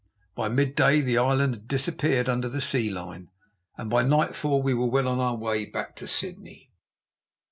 By mid day the island had disappeared under the sea line, and by nightfall we were well on our way back to Sydney.